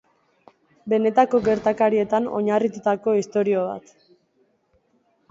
Benetako gertakarietan oinarritutako istorio bat.